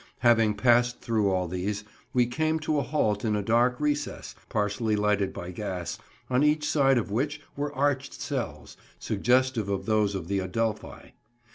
Having passed through all these, we came to a halt in a dark recess, partially lighted by gas, on each side of which were arched cells, suggestive of those of the Adelphi.